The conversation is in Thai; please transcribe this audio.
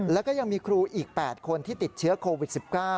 แล้วก็ยังมีครูอีก๘คนที่ติดเชื้อโควิด๑๙